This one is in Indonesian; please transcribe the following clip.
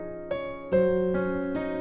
tidak ada masalah